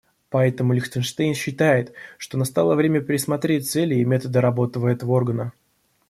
Поэтому Лихтенштейн считает, что настало время пересмотреть цели и методы работы этого органа.